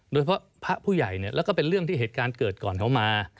โดยเพราะพระผู้ใหญ่แล้วก็เป็นเรื่องที่เหตุการณ์เกิดก่อนเขามา